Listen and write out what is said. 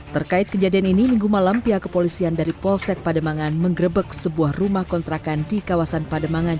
terkait kejadian ini minggu malam pihak kepolisian dari polsek pademangan menggrebek sebuah rumah kontrakan di kawasan pademangan